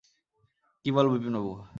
কী বল বিপিনবাবু?